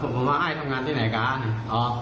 ถามผมว่าไอ้ทำงานที่ไหนครับ